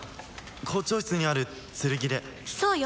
校長室にある剣でそうよ